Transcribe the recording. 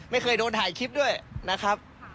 ไม่เคยโดนถ่ายคลิปด้วยนะครับ